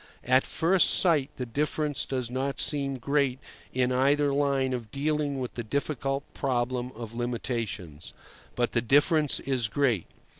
At first sight the difference does not seem great in either line of dealing with the difficult problem of limitations. But the difference is great.